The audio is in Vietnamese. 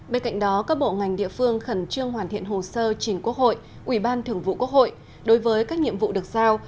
bên cạnh đó các bộ ngành địa phương khẩn trương hoàn thiện hồ sơ chính quốc hội ủy ban thường vụ quốc hội đối với các nhiệm vụ được giao